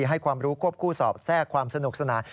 ให้ความรู้ควบคู่สอบแทรกความสนุกสนาน